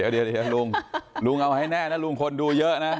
เดี๋ยวลุงลุงเอาให้แน่นะลุงพลดูเยอะนะ